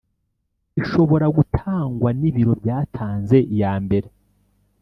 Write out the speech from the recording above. ishobora gutangwa n'ibiro byatanze iya mbere.